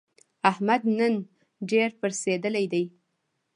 احمد نن ډېر پړسېدلی دی.